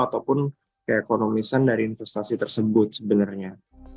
ataupun keekonomisan dari investasi tersebut sebenarnya